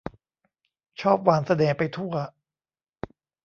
ชอบหว่านเสน่ห์ไปทั่ว